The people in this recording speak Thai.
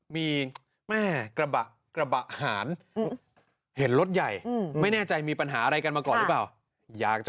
มีแม่กระบะหารเห็นรถใหญ่ไม่แน่ใจมีปัญหาอะไรกันมาก่อนหรือเปล่าอยากจะ